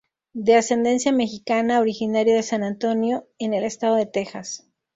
De ascendencia mexicana, originario de San Antonio en el estado de Texas.